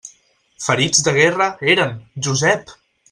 Ferits de guerra, eren, Josep!